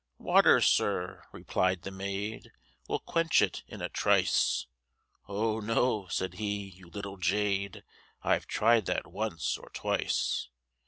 Water, Sir, reply'd the maid, Will quench it in a trice, O no, said he, you little jade, I've try'd that once or twice.